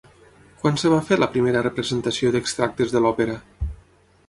Quan es va fer la primera representació d'extractes de l'òpera?